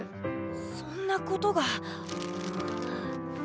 そんなことが。